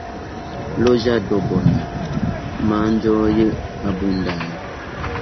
Loĝado bona, manĝoj abundaj.